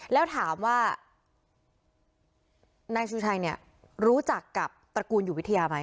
แล้วถามว่านางเฮียชุดไทห์เนี่ยรู้จักกับปากรุณอยู่วิทยาไหม